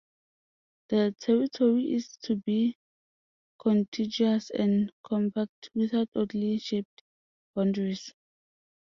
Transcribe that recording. The territory is to be contiguous and compact, without oddly shaped boundaries.